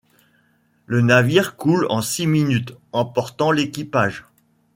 Le navire coule en six minutes, emportant d'équipage.